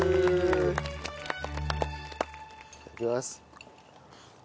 いただきます。